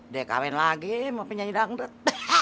dia kawin lagi mau penyanyi dangdut